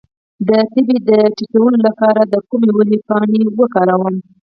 د تبې د ټیټولو لپاره د کومې ونې پاڼې وکاروم؟